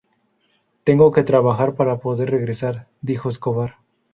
Tengo que trabajar para poder regresar", dijo Escobar.